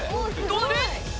どう出る？